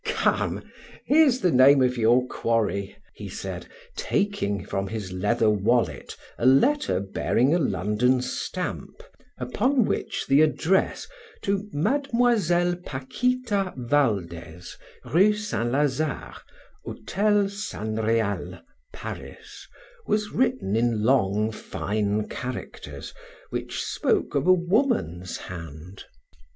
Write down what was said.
"Come, here's the name of your quarry," he said, taking from his leather wallet a letter bearing a London stamp, upon which the address, "To Mademoiselle Paquita Valdes, Rue Saint Lazare, Hotel San Real, Paris," was written in long, fine characters, which spoke of a woman's hand.